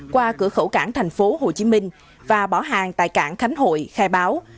qua cửa khẩu cảng tp hcm và bỏ hàng tại cảng khánh hội khai báo